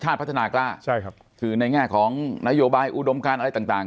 พัฒนากล้าใช่ครับคือในแง่ของนโยบายอุดมการอะไรต่างต่าง